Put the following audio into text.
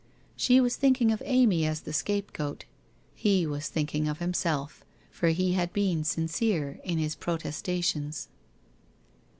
She was thinking of Amy as the scapegoat — he was think ing of himself, for he had been sincere in his protestations.